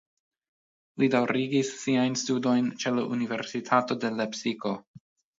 Li daŭrigis siajn studojn ĉe la Universitato de Lepsiko.